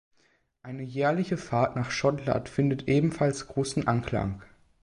Eine jährliche Fahrt nach Schottland findet ebenfalls großen Anklang.